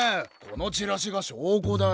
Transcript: このチラシが証拠だよ。